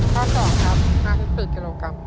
ข้อ๒ครับ๕๔กิโลกรัม